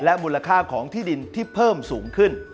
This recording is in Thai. มูลค่าของที่ดินที่เพิ่มสูงขึ้น